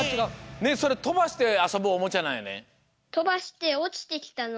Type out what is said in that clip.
ねえそれとばしてあそぶおもちゃなんやね？